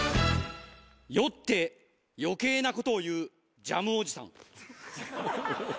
酔って余計なことを言うジャムおじさん。